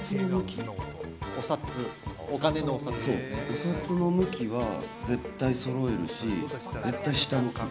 お札の向きは絶対そろえるし絶対下向き。